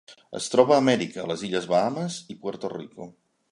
Es troba a Amèrica: les illes Bahames i Puerto Rico.